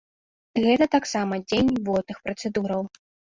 Гэта таксама дзень водных працэдураў.